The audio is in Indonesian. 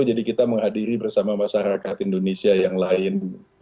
jadi kita menghadiri bersama masyarakat indonesia yang lain